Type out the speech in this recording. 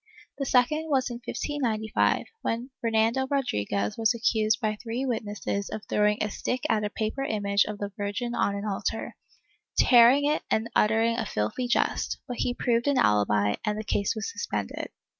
The second was in 1595, when Fernando Rodriguez was accused by three witnesses of throwing a stick at a paper image of the Virgin on an altar, tearing it and uttering a filthy jest, but he proved an alibi and the case was suspended.